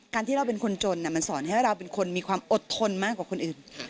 ที่เราเป็นคนจนมันสอนให้เราเป็นคนมีความอดทนมากกว่าคนอื่น